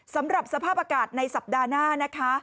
สำหรับสภาพอากาศในสัปดาห์หน้านะคะ